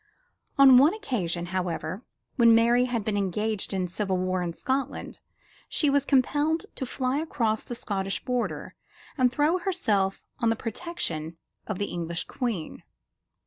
On one occasion, however, when Mary had been engaged in civil war in Scotland, she was compelled to fly across the Scottish border and throw herself on the protection of the English Queen.